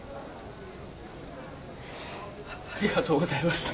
あありがとうございました。